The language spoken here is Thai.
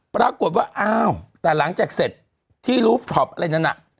ปรากฏว่าอ้าวแต่หลังจากเสร็จที่ลูฟทรอปอะไรนั้นน่ะ